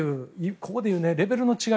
ここで言うレベルの違い。